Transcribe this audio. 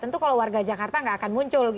tentu kalau warga jakarta nggak akan muncul